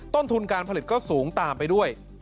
ต้นทุนการผลิตก็สูงตามไปด้วย